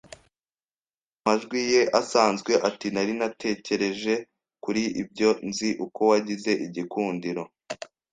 ku majwi ye asanzwe, ati: "Nari natekereje kuri ibyo, nzi uko wagize igikundiro